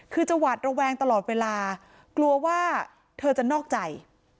คือจะหวาดระแวงตลอดเวลากลัวว่าเธอจะนอกใจ